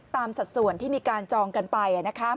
สัดส่วนที่มีการจองกันไป